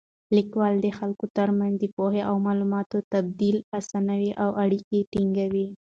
لیکوالی د خلکو تر منځ د پوهې او معلوماتو تبادله اسانوي او اړیکې ټینګوي.